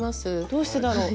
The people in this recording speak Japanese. どうしてだろう？